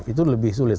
itu lebih sulit